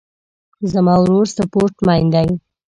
زما ورور سپورټ مین ده